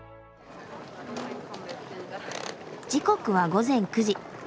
時刻は午前９時。